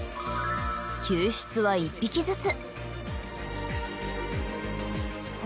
救出は１匹ずつ。